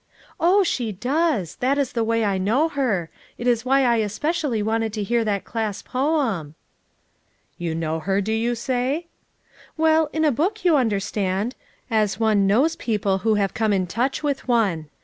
"Oh, she does; that is the way I know her; it is why I especially wanted to hear that class poem." "You know her, do you say?" "Well, in a book, you understand; as one knows people who have come in toucb with one.